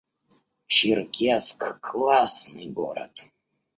Черкесск — классный город